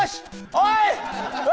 おい！